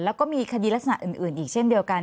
แล้วก็มีคดีลักษณะอื่นอีกเช่นเดียวกัน